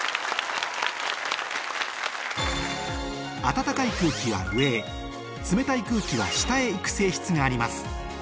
暖かい空気は上へ冷たい空気は下へ行く性質があります